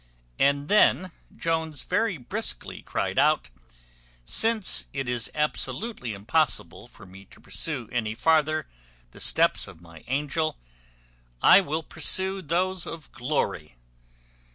And then Jones very briskly cried out, "Since it is absolutely impossible for me to pursue any farther the steps of my angel I will pursue those of glory.